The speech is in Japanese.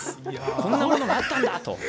こんなものがあったんだと。